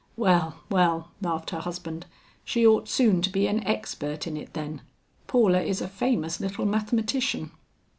"Well, well," laughed her husband, "she ought soon to to be an expert in it then; Paula is a famous little mathematician."